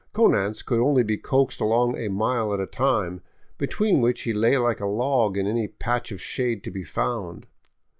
Konanz could only be coaxed along a mile at a time, between which he lay like a log in any patch of shade to be found.